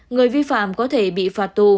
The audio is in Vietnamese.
người vi phạm có thể bị phạt tù